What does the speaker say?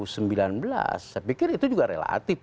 saya pikir itu juga relatif